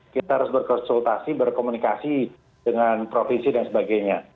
kita harus berkonsultasi berkomunikasi dengan provinsi dan sebagainya